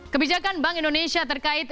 kebijakan bank indonesia terkait